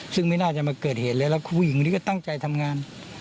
ซึ่งไม่น่าจะมาเกิดเหตุเลยแล้วผู้หญิงคนนี้ก็ตั้งใจทำงาน